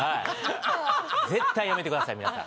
絶対やめてください皆さん。